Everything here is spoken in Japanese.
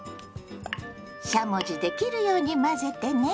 しゃもじで切るように混ぜてね。